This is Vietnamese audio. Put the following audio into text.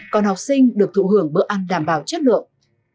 còn học sinh được thụ hưởng bữa ăn đảm bảo chất lượng